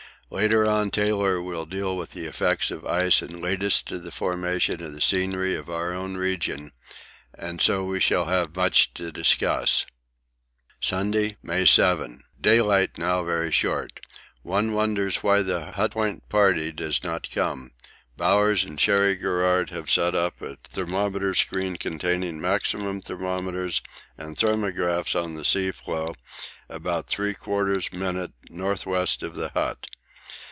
Later on Taylor will deal with the effects of ice and lead us to the formation of the scenery of our own region, and so we shall have much to discuss. Sunday, May 7. Daylight now is very short. One wonders why the Hut Point party does not come. Bowers and Cherry Garrard have set up a thermometer screen containing maximum thermometers and thermographs on the sea floe about 3/4' N.W. of the hut.